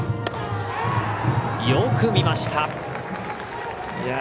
よく見ました。